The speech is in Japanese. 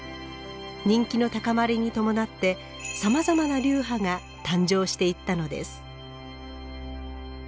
人気の高まりに伴ってさまざまな流派が誕生していったのです。